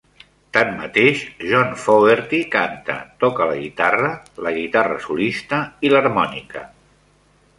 Tanmateix, John Fogerty canta, toca la guitarra, la guitarra solista i l'harmònica.